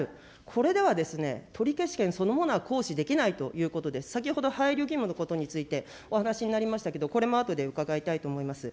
これではですね、取消権そのものは行使できないということで、先ほど配慮義務のことについてお話しになりましたけど、これもあとで伺いたいと思います。